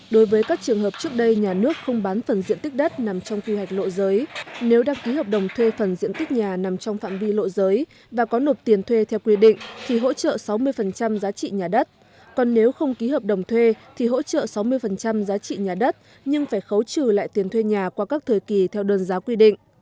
đối với các trường hợp trước đây nhà nước không bán phần diện tích đất nằm trong quy hạch lộ giới nếu đăng ký hợp đồng thuê phần diện tích nhà nằm trong phạm vi lộ giới và có nộp tiền thuê theo quy định thì hỗ trợ sáu mươi giá trị nhà đất còn nếu không ký hợp đồng thuê thì hỗ trợ sáu mươi giá trị nhà đất nhưng phải khấu trừ lại tiền thuê nhà qua các thời kỳ theo đơn giá quy định